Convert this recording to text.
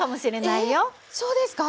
えっそうですか？